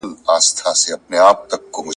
خوله چي اموخته سي، آس نه دئ چي قيضه سي.